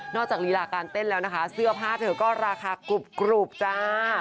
จากลีลาการเต้นแล้วนะคะเสื้อผ้าเธอก็ราคากรุบจ้า